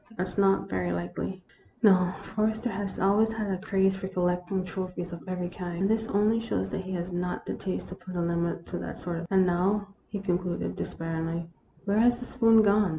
" That 's not very likely. No; Forrester has always had a craze for collecting trophies of every kind, and this 196 THE ROMANCE OF A SPOON. only shows that he has not the taste to put a limit to that sort of thing. And now, " he concluded, despairingly, " where has the spoon gone